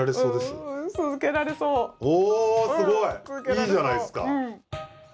いいじゃないですか。